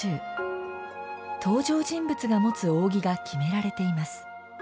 登場人物が持つ扇が決められています。